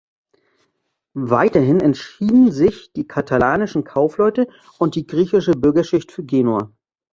Weiterhin entschieden sich die katalanischen Kaufleute und die griechische Bürgerschicht für Genua.